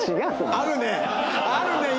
あるね！